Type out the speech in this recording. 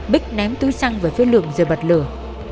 bích ném túi xăng về phía lượng rồi bật lửa